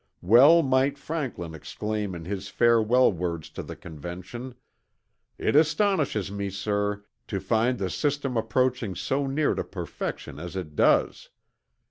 Well might Franklin exclaim in his farewell words to the Convention: 'It astonishes me, sir, to find the system approaching so near to perfection as it does!'